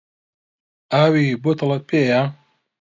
ئاوی بوتڵت پێیە؟